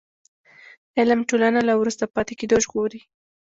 علم ټولنه له وروسته پاتې کېدو ژغوري.